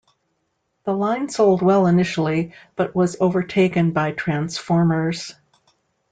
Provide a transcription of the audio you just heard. The line sold well initially, but was overtaken by Transformers.